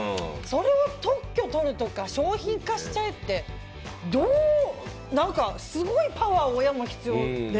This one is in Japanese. それを特許を取るとか商品化しちゃえってすごいパワーが親も必要で。